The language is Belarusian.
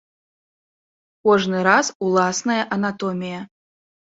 Кожны раз уласная анатомія.